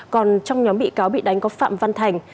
còn trong nhóm bị cáo bị đánh có phạm văn thành